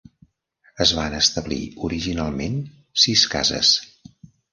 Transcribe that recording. Es van establir originalment sis cases.